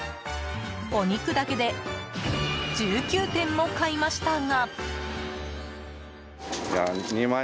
お肉だけで１９点も買いましたが。